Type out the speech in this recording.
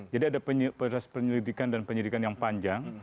jadi ada proses penyelidikan dan penyelidikan yang panjang